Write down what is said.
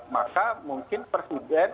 maka mungkin presiden sudah tahu ini